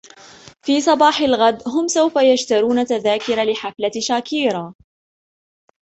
في صباح الغد, هم سوف يشترون تذاكر لحفلة شاكيرا.